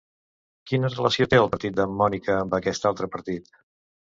Quina relació té el partit de Mónica amb aquest altre partit?